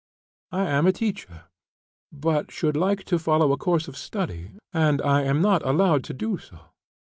"I am a teacher, but should like to follow a course of study; and I am not allowed to do so.